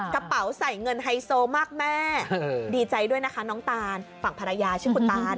กระเป๋าใส่เงินไฮโซมากแม่ดีใจด้วยนะคะน้องตานฝั่งภรรยาชื่อคุณตาน